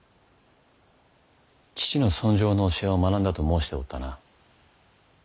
父の尊攘の教えを学んだと申しておったな。